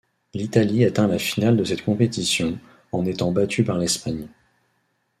L'Italie atteint la finale de cette compétition, en étant battue par l'Espagne.